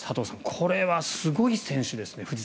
これはすごい選手ですね。